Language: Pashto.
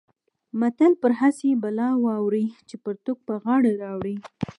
متل: پر هسې بلا واوړې چې پرتوګ پر غاړه راوړې.